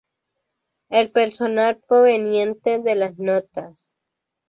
El personal proveniente de las notas.